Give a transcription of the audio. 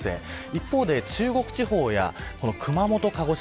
一方で中国地方や熊本、鹿児島